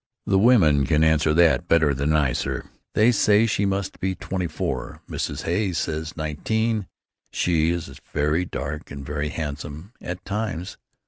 "The women can answer that better than I, sir. They say she must be twenty four; Mrs. Hay says nineteen She is very dark and very handsome at times.